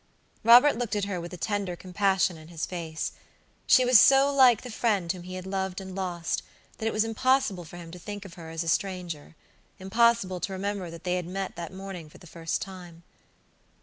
Robert looked at her with a tender compassion in his face; she was so like the friend whom he had loved and lost, that it was impossible for him to think of her as a stranger; impossible to remember that they had met that morning for the first time.